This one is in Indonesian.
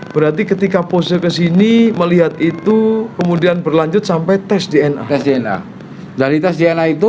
berarti ketika pose kesini melihat itu kemudian berlanjut sampai tes dna dari tes dna itu